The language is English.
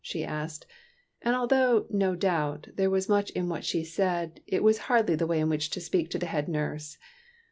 '' she asked; and although, no doubt, there was much in what she said, it was hardly the way in which to speak to the head nurse.